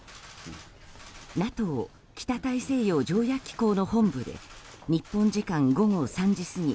ＮＡＴＯ・北大西洋条約機構の本部で日本時間午後３時過ぎ